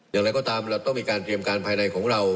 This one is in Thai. อย่างไรก็ตามเราต้องมีการเตรียมการภายในของเรา